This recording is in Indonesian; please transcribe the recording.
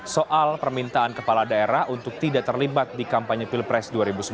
soal permintaan kepala daerah untuk tidak terlibat di kampanye pilpres dua ribu sembilan belas